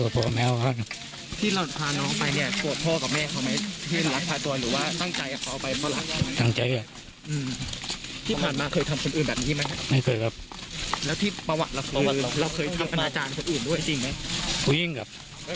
ผู้หญิงครับ